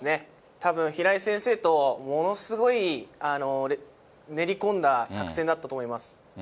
たぶん、平井先生とものすごい練り込んだ作戦だったと思います。